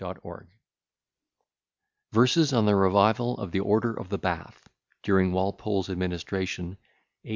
] VERSES ON THE REVIVAL OF THE ORDER OF THE BATH, DURING WALPOLE'S ADMINISTRATION, A.